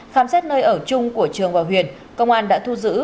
khám xét nơi ở chung của trường và huyền công an đã thu giữ